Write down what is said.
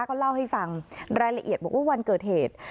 ก็เล่าให้ฟังรายละเอียดบอกว่าวันเกิดเหตุ